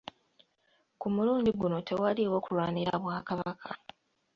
Ku mulundi guno tewaaliwo kulwanira bwakabaka.